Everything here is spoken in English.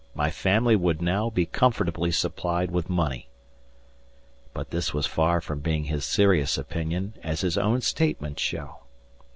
My family would now be comfortably supplied with money." But this was far from being his serious opinion, as his own statements show.